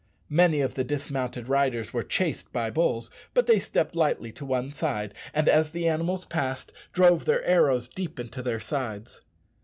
Many of the dismounted riders were chased by bulls; but they stepped lightly to one side, and, as the animals passed, drove their arrows deep into their sides.